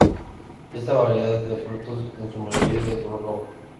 Esta variedad da frutos en su mayoría de color rojo.